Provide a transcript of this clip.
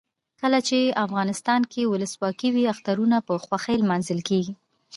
کله چې افغانستان کې ولسواکي وي اخترونه په خوښۍ لمانځل کیږي.